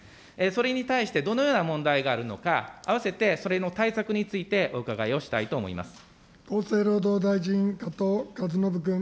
それに対してどのような問題があるのか、併せてそれの対策についてお伺いをしたいと思います。